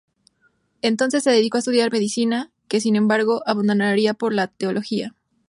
Entonces se dedicó a estudiar medicina, que sin embargo abandonaría por la teología.